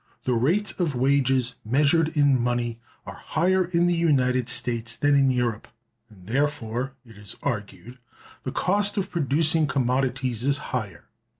The rates of wages measured in money are higher in the United States than in Europe, and, therefore, it is argued, the cost of producing commodities is higher....